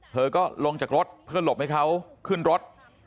เธอก็ลงจากรถเพื่อหลบให้เขาขึ้นรถ